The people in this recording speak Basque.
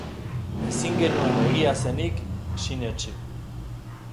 Ezin genuen egia zenik sinetsi.